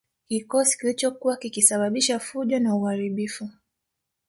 Kikosi kilichokuwa kikisababisha fujo na uharibifu